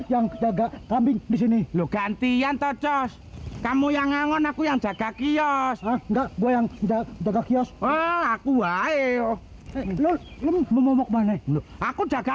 yang jaga kambing disini lu gantian tocos kamu yang anon aku yang jaga kiosk aku aku aku jaga